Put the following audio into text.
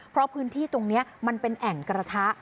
เพราะพื้นที่ตรงนี้มันเป็นแอ่งกระทะ